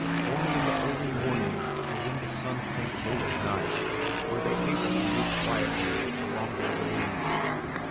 Only in the early morning or when the sun sank low at night were they able to move quietly along their ways.